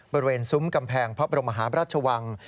ซุ้มกำแพงพระบรมหาบราชวัง